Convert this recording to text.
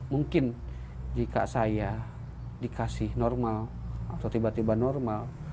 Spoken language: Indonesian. mungkin jika saya dikasih normal atau tiba tiba normal